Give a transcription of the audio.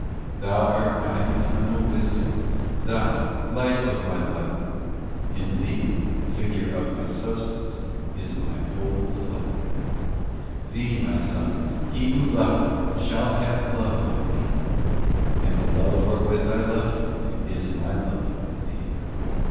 VI Thou art My Eternal Wisdom, Thou, Light of My light; In Thee, Figure of My substance, Is my whole delight. VII Thee, My Son, he who loveth Shall have love of Me And the love wherewith I love him Is My love of Thee.